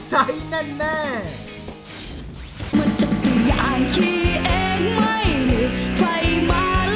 จะไปเจอวันที่สวยงาม